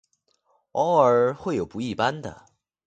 偶尔会有不一般的。